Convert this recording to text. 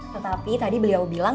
tetapi tadi beliau bilang